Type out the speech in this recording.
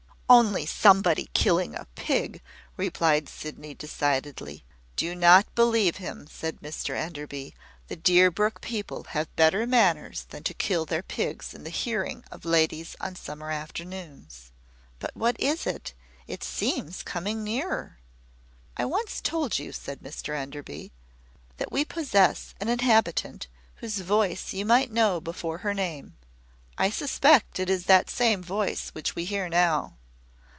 "Only somebody killing a pig," replied Sydney, decidedly. "Do not believe him," said Mr Enderby. "The Deerbrook people have better manners than to kill their pigs in the hearing of ladies on summer afternoons." "But what is it? It seems coming nearer." "I once told you," said Mr Enderby, "that we possess an inhabitant, whose voice you might know before her name. I suspect it is that same voice which we hear now."